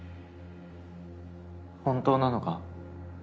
本当なのか？